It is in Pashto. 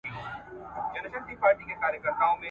موږ د انټرنیټ له لارې علمي بحثونه کوو.